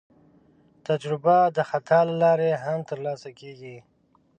تجربه د خطا له لارې هم ترلاسه کېږي.